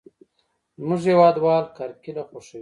زموږ هېوادوال کرکېله خوښوي.